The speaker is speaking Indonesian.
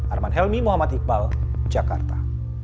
arman helmi muhammad iqbal jakarta